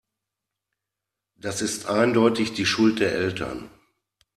Das ist eindeutig die Schuld der Eltern.